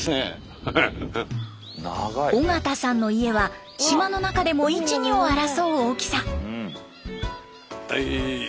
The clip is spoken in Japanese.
尾形さんの家は島の中でも一二を争う大きさ。